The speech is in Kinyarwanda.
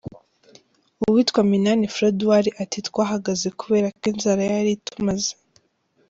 Uwitwa Minani Froduard ati: “Twahagaze kubera ko inzara yari itumaze.